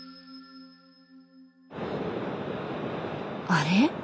あれ？